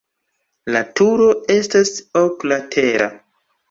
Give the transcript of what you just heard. La turo estas oklatera.